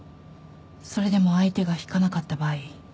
それでも相手が引かなかった場合。